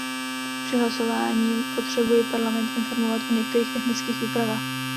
Před hlasováním potřebuji Parlament informovat o některých technických úpravách.